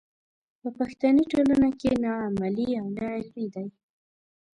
په پښتني ټولنه کې نه عملي او نه علمي دی.